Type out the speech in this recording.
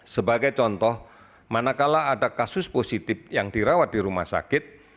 sebagai contoh manakala ada kasus positif yang dirawat di rumah sakit